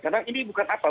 karena ini bukan apa